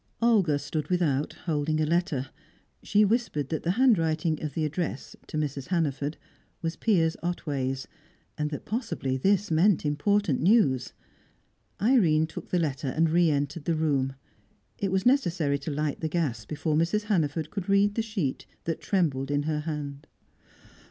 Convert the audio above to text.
Olga stood without, holding a letter. She whispered that the handwriting of the address (to Mrs. Hannaford) was Piers Otway's, and that possibly this meant important news. Irene took the letter, and re entered the room. It was necessary to light the gas before Mrs. Hannaford could read the sheet that trembled in her hand.